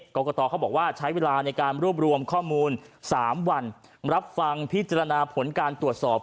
กรกตเขาบอกว่าใช้เวลาในการรวบรวมข้อมูล๓วันรับฟังพิจารณาผลการตรวจสอบ